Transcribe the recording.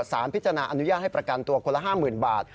สารพิจารณาอนุญาตให้ประกันตัวคนละ๕๐๐๐บาท